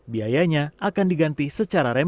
biayanya akan diganti secara resmi